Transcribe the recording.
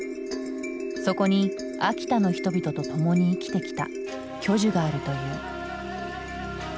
そこに秋田の人々と共に生きてきた巨樹があるという。